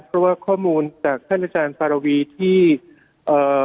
เพราะว่าข้อมูลจากท่านอาจารย์ปารวีที่เอ่อ